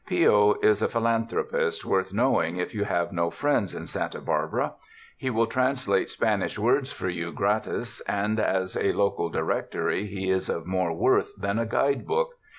Pio is a philan thropist, worth knowing if you have no friends in Santa Barbara. He will translate Spanish words for you gratis, and as a local directory he is of more worth than a guidebook.